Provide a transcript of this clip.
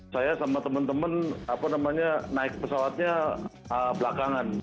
saya sama teman teman naik pesawatnya belakangan